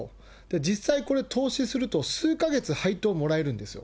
実際、これ、投資すると、数か月配当もらえるんですよ。